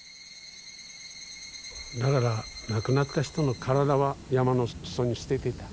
だから亡くなった人の体は山の裾に捨ててた。